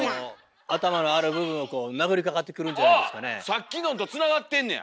さっきのんとつながってんねや！